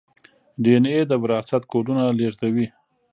ډي این اې د وراثت کوډونه لیږدوي